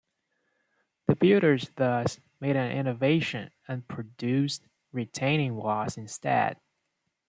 The builders thus made an innovation and produced retaining walls instead.